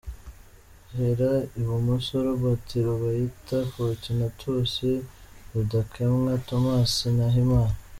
Hera i bumoso : Robert Rubayita, Fortunatus Rudakemwa, Thomas Nahimana .